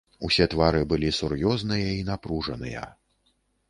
Усе твары былі сур'ёзныя і напружаныя.